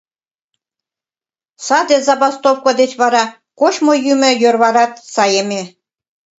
Саде забастовко деч вара кочмо-йӱмӧ йӧрварат саеме.